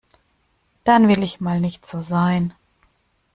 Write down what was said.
Dann will ich mal nicht so sein.